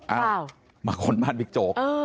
เอามาค้นบ้านบิ๊กโจ๊ก